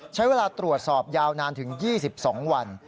ใช้เวลาตรวจสอบยาวนานถึง๒๒วัน